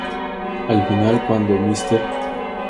Al final cuando Mr.